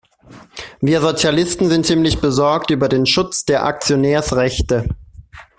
Wir Sozialisten sind ziemlich besorgt über den Schutz der Aktionärsrechte.